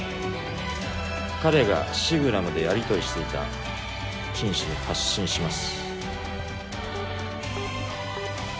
彼がシグラムでやりとりしていた金主に発信します。